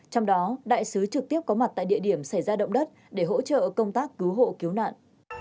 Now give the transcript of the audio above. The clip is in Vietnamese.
trong đó đại sứ trực tiếp có mặt tại địa điểm xảy ra động đất để hỗ trợ công tác cứu hộ cứu nạn